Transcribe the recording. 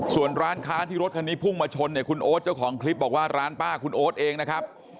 ส่วนร้านค้าที่รถคันนี้พุ่งมาชนเนี่ยคุณโอ๊ตเจ้าของคลิปบอกว่าร้านป้าคุณโอ๊ตเองนะครับ